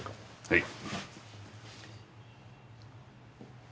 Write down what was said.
はい。